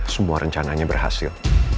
semua rencananya berhasil